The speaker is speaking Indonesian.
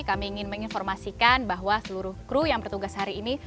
kami ingin menginformasikan bahwa seluruh kru yang bertugas hari ini